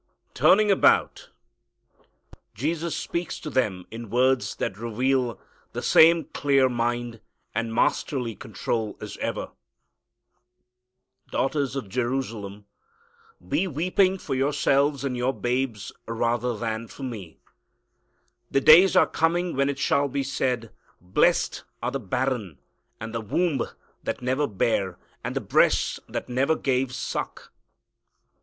Turning about, Jesus speaks to them in words that reveal the same clear mind and masterly control as ever. "Daughters of Jerusalem, be weeping for yourselves and your babes, rather than for Me. The days are coming when it shall be said, 'Blessed are the barren, and the womb that never bare, and the breasts that never gave suck.'